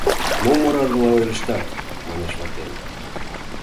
— Мом орадыла ойлыштат? — манеш ватем.